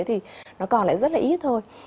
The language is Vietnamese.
thì nó còn lại rất là ít thôi